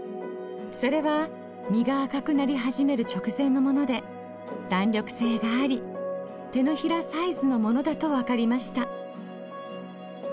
それは実が赤くなり始める直前のもので弾力性があり手のひらサイズのものだと分かりました。